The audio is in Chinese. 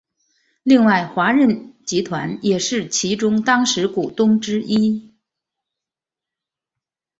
另外华润集团也是其中当时股东之一。